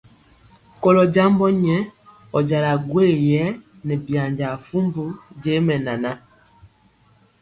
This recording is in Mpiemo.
Kolɔ jambɔ nyɛ, ɔ jala gwoye yɛ nɛ byanjaa fumbu je mɛnana.